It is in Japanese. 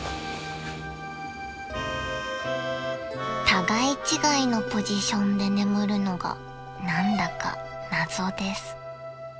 ［互い違いのポジションで眠るのが何だか謎です］